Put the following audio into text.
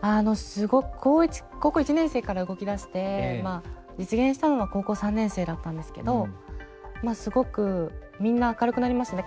あのすごく高校１年生から動き出して実現したのは高校３年生だったんですけどすごくみんな明るくなりましたね。